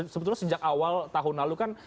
sebetulnya sejak awal tahun lalu kan